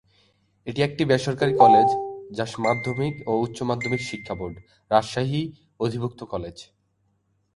এটি একটা বেসরকারি কলেজ যা মাধ্যমিক ও উচ্চ মাধ্যমিক শিক্ষা বোর্ড, রাজশাহী অধিভুক্ত কলেজ।